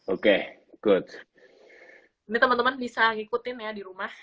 oke good bisa ikutin ya di rumah